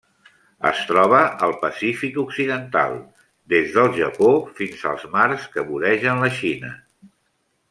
Es troba al Pacífic occidental: des del Japó fins als mars que voregen la Xina.